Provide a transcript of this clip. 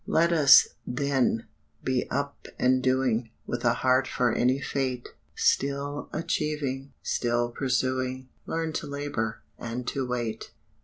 Let us, then, be up and doing, With a heart for any fate; Still achieving, still pursuing, Learn to labor and to wait.